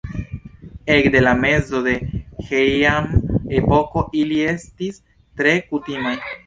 Ekde la mezo de la Heian-epoko ili estis tre kutimaj.